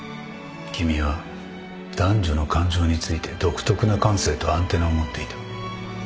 君は男女の感情について独特な感性とアンテナを持っていた